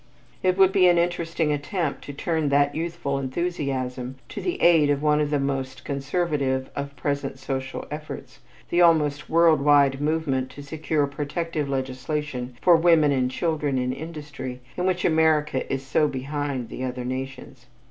It would be an interesting attempt to turn that youthful enthusiasm to the aid of one of the most conservative of the present social efforts, the almost world wide movement to secure protective legislation for women and children in industry, in which America is so behind the other nations.